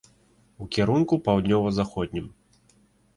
У кірунку паўднёва заходнім.